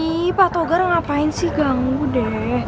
nih pak togar ngapain sih ganggu deh